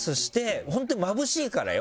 本当にまぶしいからよ